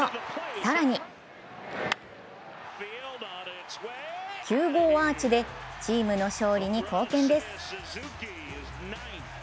更に９号アーチでチームの勝利に貢献です。